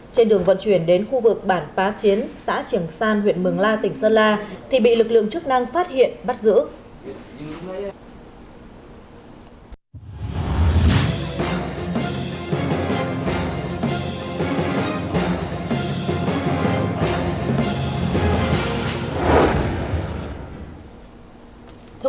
trên đường vận chuyển đến khu vực bản pá chiến xã triển san huyện mường la tỉnh sơn la thì bị lực lượng chức năng phát hiện bắt giữ